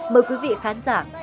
mời quý vị khán giả quan tâm theo dõi